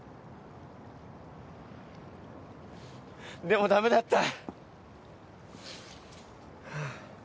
でも駄目だった。